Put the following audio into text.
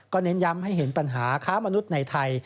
เน้นย้ำให้เห็นปัญหาค้ามนุษย์ในไทย